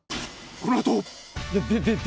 このあと。